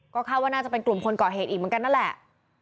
ก็คาดว่าน่าจะเป็นกลุ่มคนก่อเหตุอีกเหมือนกันนั่นแหละ